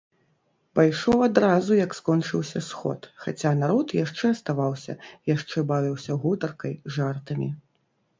Пайшоў адразу, як скончыўся сход, хаця народ яшчэ аставаўся, яшчэ бавіўся гутаркай, жартамі.